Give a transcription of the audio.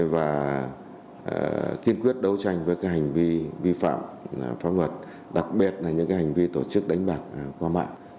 và kiên quyết đấu tranh với các hành vi vi phạm pháp luật đặc biệt là những hành vi tổ chức đánh bạc qua mạng